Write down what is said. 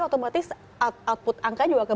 otomatis output angka juga akan